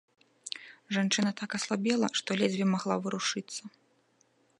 Жанчына так аслабела, што ледзьве магла варушыцца.